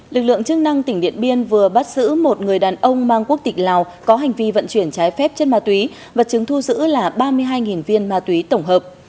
lực lượng chức năng tỉnh điện biên vừa bắt giữ một người đàn ông mang quốc tịch lào có hành vi vận chuyển trái phép chất ma túy và chứng thu giữ là ba mươi hai viên ma túy tổng hợp